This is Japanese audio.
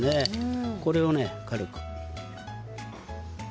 これを軽く。